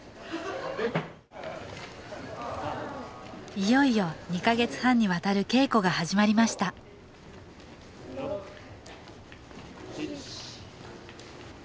いよいよ２か月半にわたる稽古が始まりました６７２０。